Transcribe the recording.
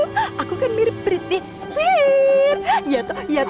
bagaimana kalo pemain ceweknya tuh diganti sama aku